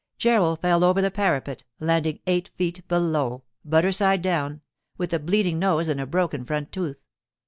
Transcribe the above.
Gerald fell over the parapet, landing eight feet below—butter side down—with a bleeding nose and a broken front tooth.